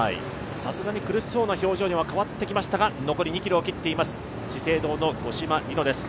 さすがに苦しそうな表情には変わってきましたが残り２ｋｍを切っています、資生堂の五島莉乃です。